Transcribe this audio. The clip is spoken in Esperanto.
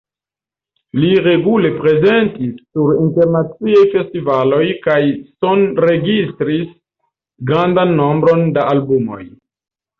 Li regule prezentis sur internaciaj festivaloj kaj sonregistris grandan nombron da albumoj.